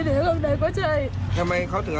อ๋อแล้วน้ำร้อนจากไหน